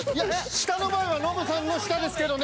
下の場合はノブさんの下ですけどね。